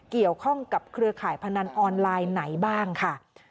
เกี่ยวข้องกับเครือข่ายพนันออนไลน์ไหนบ้างค่ะ